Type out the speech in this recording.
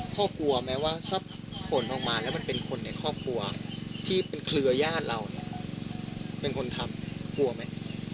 กลัวไหมว่าถ้าผลออกมาแล้วมันเป็นคนในครอบครัวที่เป็นเครือญาติเราเนี่ยเป็นคนทำกลัวไหม